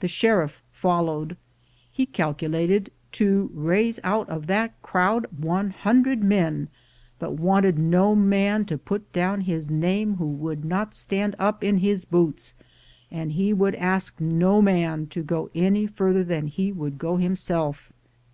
The Sheriff followed. He "cal'lated" to raise out of that crowd one hundred men, but wanted no man to put down his name who would not stand up in his boots, and he would ask no man to go any further than he would go himself.